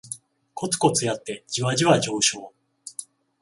コツコツやってジワジワ上昇